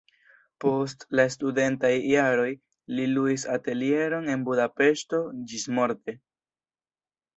Post la studentaj jaroj li luis atelieron en Budapeŝto ĝismorte.